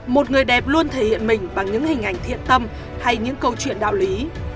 một người đẹp luôn thể hiện mình bằng những hình ảnh thiện tâm hay những câu chuyện đạo lý